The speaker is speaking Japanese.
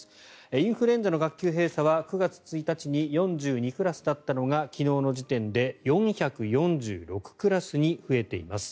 インフルエンザの学級閉鎖は９月１日に４２クラスだったのが昨日の時点で４４６クラスに増えています。